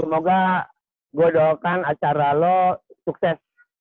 semoga gue doakan acara lo sukses